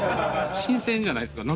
新鮮じゃないですか。